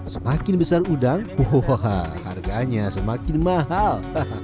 semakin besar udang harganya semakin mahal